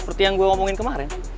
seperti yang gue omongin kemarin